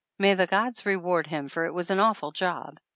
May the gods reward him, for it was an awful job!